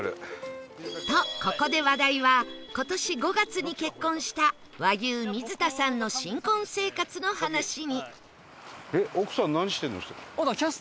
とここで話題は今年５月に結婚した和牛水田さんの新婚生活の話に